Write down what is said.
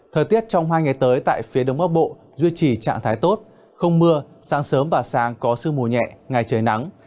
thời tiết trong hai ngày tới tại phía đông bắc bộ duy trì trạng thái tốt không mưa sáng sớm và sáng có sư mù nhẹ ngày trời nắng